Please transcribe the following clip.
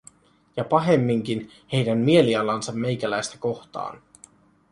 Ja pahemminkin: heidän mielialansa meikäläistä kohtaan.